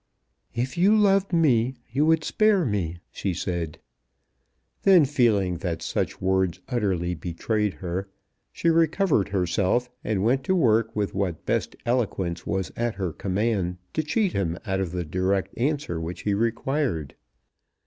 "If you loved me you would spare me," she said. Then feeling that such words utterly betrayed her, she recovered herself, and went to work with what best eloquence was at her command to cheat him out of the direct answer which he required.